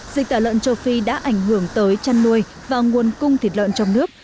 dịch tả lợn châu phi đã ảnh hưởng tới chăn nuôi và nguồn cung thịt lợn trong nước